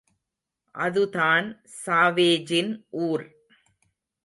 அதுதான் ஸாவேஜின் ஊர்.